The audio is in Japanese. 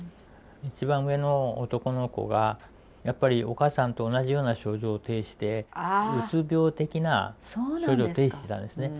一番上の男の子がやっぱりお母さんと同じような症状を呈してうつ病的な症状を呈してたんですね。